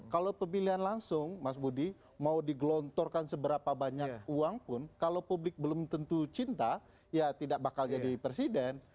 kalau pemilihan langsung mas budi mau digelontorkan seberapa banyak uang pun kalau publik belum tentu cinta ya tidak bakal jadi presiden